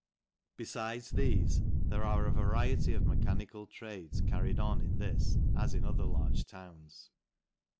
: Befides thefe, there are a variety of mechanical tides carried on in this as in other large towns.